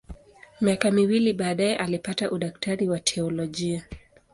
Miaka miwili baadaye alipata udaktari wa teolojia.